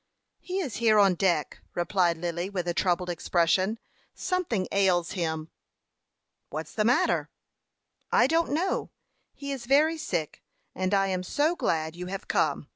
"He is here on deck," replied Lily, with a troubled expression. "Something ails him." "What's the matter?" "I don't know; he is very sick, and I am so glad you have come!"